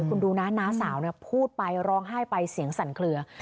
คุณดูนะน้าสาวพูดไปร้องไห้ไปเสียงสั่นเคลือ